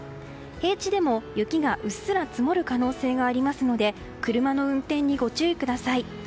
平地でも雪がうっすら積もる可能性がありますので車の運転にご注意ください。